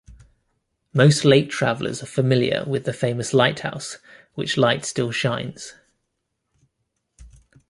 Most lake travellers are familiar with the famous lighthouse which light still shines.